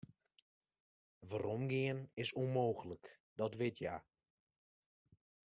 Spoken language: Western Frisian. Weromgean is ûnmooglik, dat wit hja.